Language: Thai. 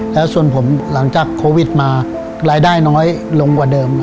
แล้วส่วนผมหลังจากโควิดมารายได้น้อยลงกว่าเดิม